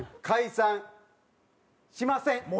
解散しません。